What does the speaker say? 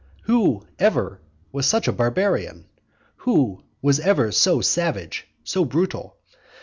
Who ever was such a barbarian? Who was ever so savage? so brutal?